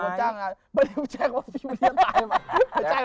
ไม่ใช่ว่าพี่วุดดี้จะตายไหม